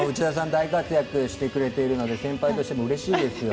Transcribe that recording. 大活躍してくれているので先輩としてもうれしいですよ。